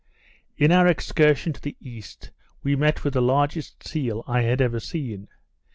In our excursion to the east, we met with the largest seal I had ever seen.